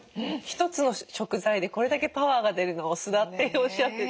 一つの食材でこれだけパワーが出るのはお酢だっておっしゃって。